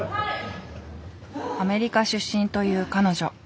アメリカ出身という彼女。